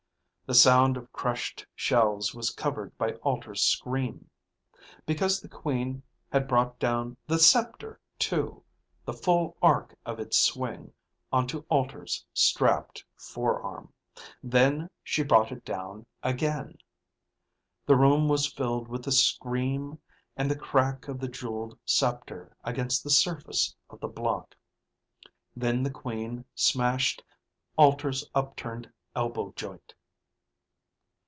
The sound of crushed shells was covered by Alter's scream. Because the Queen had brought down the scepter, too, the full arc of its swing, onto Alter's strapped forearm. Then she brought it down again. The room was filled with the scream and the crack of the jeweled scepter against the surface of the block. Then the Queen smashed Alter's upturned elbow joint.